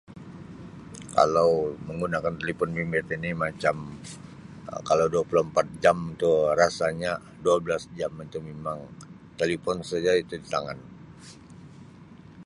Kalau menggunakan telefon bimbit ini macam Um kalau dua puluh empat jam tu rasanya 12 jam itu memang telefon saja itu di tangan.